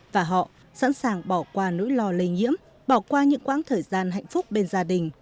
và họ sẵn sàng bỏ qua nỗi lo lây nhiễm bỏ qua những quãng thời gian hạnh phúc bên gia đình